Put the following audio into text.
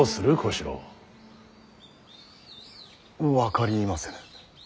分かりませぬ。